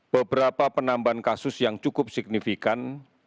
beberapa penambahan kasus yang cukup signifikan